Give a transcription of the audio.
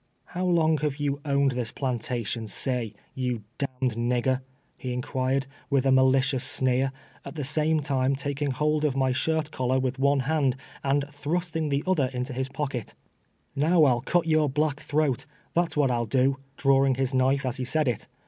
" How long have you owned this plantation, say^ you d d nigger?" he inquire<l, with a malicious sneer, at the same time taking hold of my shirt col lar with one hand, and thrusting the other into his pocket, " Xow I'll cut your black throat ; that's Avhat ril do," drawing his knife from his pocket as he said it.